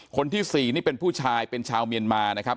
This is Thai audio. คนที่๔นี่เป็นผู้ชายเป็นชาวเมียนมานะครับ